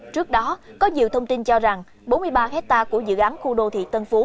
trước đó có nhiều thông tin cho rằng bốn mươi ba hectare của dự án khu đô thị tân phú